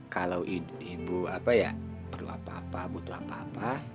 kalau ibu perlu apa apa butuh apa apa